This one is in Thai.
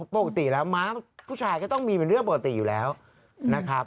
ปกติแล้วม้าผู้ชายก็ต้องมีเป็นเรื่องปกติอยู่แล้วนะครับ